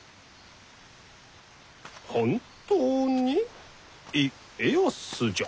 本当に家康じゃ。